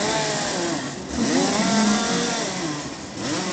Tugareḍ-iyi afud.